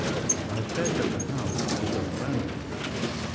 "'I have said that the house is a rambling one.